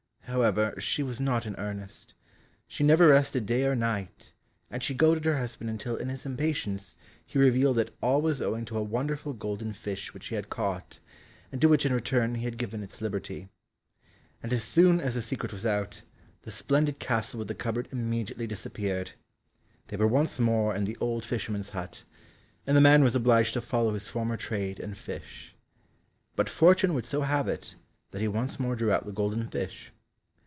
However, she was not in earnest; she never rested day or night, and she goaded her husband until in his impatience he revealed that all was owing to a wonderful golden fish which he had caught, and to which in return he had given its liberty. And as soon as the secret was out, the splendid castle with the cupboard immediately disappeared, they were once more in the old fisherman's hut, and the man was obliged to follow his former trade and fish. But fortune would so have it, that he once more drew out the golden fish.